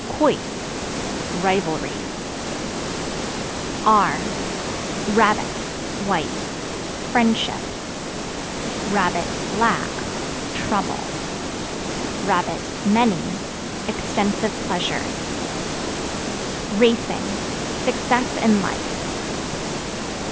Quoits Rivalries. R Rabbit (White) friendship; (black) trouble; (many) extensive pleasures. Racing Success in life.